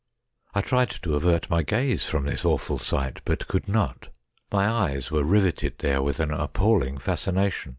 I tried to avert my gaze from this awful sight, but could not. My eyes were riveted there with an appalling fascination.